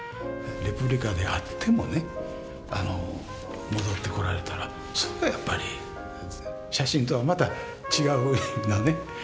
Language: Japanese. レプリカであってもね戻ってこられたらそれはやっぱり写真とはまた違う。